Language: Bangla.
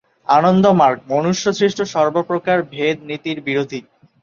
আনন্দমার্গ মনুষ্যসৃষ্ট সর্বপ্রকার ভেদনীতির বিরোধী।